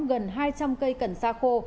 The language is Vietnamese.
gần hai trăm linh cây cần sa khô